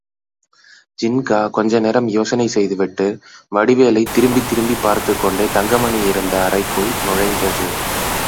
ஜின்கா கொஞ்சம் நேரம் யோசனை செய்துவிட்டு, வடிவேலைத் திரும்பித் திரும்பிப் பார்த்துக் கொண்டே தங்கமணி இருந்த அறைக்குள் நுழைந்தது.